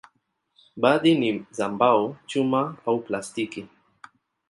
Baadhi ni za mbao, chuma au plastiki.